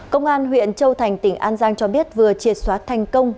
công an huyện châu thành tỉnh an giang cho biết vừa triệt xóa thành công